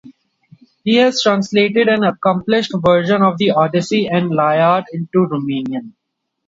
He has translated an accomplished version of the "Odyssey" and "Iliad" into Romanian.